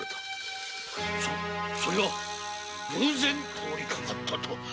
そそれは偶然通りかかったと。